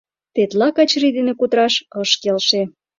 Тетла Качыри дене кутыраш ыш келше.